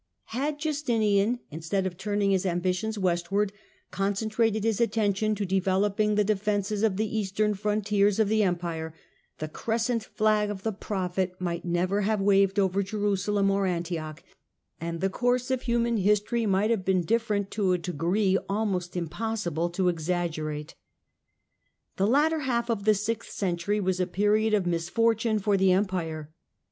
Had Justinian, instead of turning his ambitions westward, concentrated his atten tion to developing the defences of the eastern frontiers of the Empire, the crescent flag of the Prophet might never have waved over Jerusalem or Antioch, and the course of human history might have been different to a degree almost impossible to exaggerate. 'The latter half of the sixth century was a period of Justin u., misfortune for the Empire.